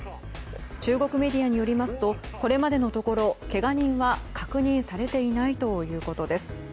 中国メディアによりますとこれまでのところけが人は確認されていないということです。